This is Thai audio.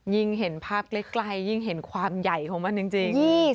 ยิ่งเห็นภาพใกล้ยิ่งเห็นความใหญ่ของมันจริง